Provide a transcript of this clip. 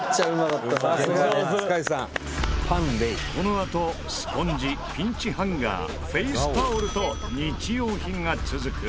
このあとスポンジピンチハンガーフェイスタオルと日用品が続く。